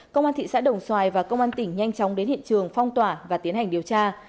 công an thị xã đồng xoài và công an tỉnh nhanh chóng đến hiện trường phong tỏa và tiến hành điều tra